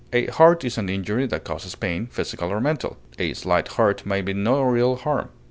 A hurt is an injury that causes pain, physical or mental; a slight hurt may be no real harm.